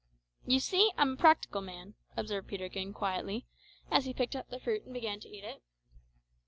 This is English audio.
"You see I'm a practical man," observed Peterkin quietly, as he picked up the fruit and began to eat it.